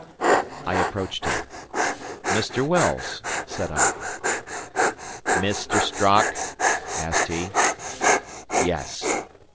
I approached him. "Mr. Wells?" said I. "Mr. Strock?" asked he. "Yes."